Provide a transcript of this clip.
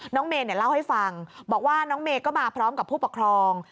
เมย์เล่าให้ฟังบอกว่าน้องเมย์ก็มาพร้อมกับผู้ปกครอง